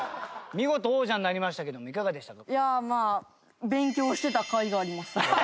見事王者になりましたけどもいかがでしたか？